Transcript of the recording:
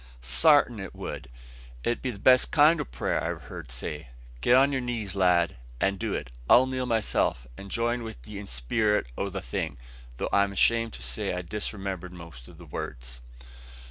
"Sartain it would. It be the best kind o' prayer, I've heerd say. Get on your knees, lad, and do it. I'll kneel myself, and join with ye in the spirit o' the thing, tho' I'm shamed to say I disremember most o' the words."